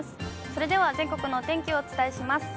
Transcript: それでは全国のお天気をお伝えします。